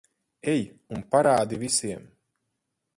Ej un parādi visiem.